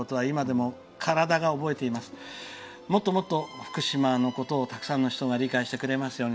もっともっと福島のことをたくさんの人が理解してくれますように。